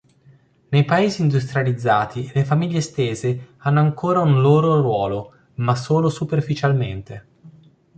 Nei paesi industrializzati le famiglie estese hanno ancora un loro ruolo, ma solo superficialmente.